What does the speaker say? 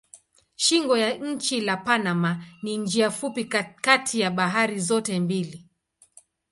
Shingo ya nchi la Panama ni njia fupi kati ya bahari zote mbili.